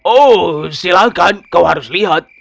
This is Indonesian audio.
oh silakan kau harus lihat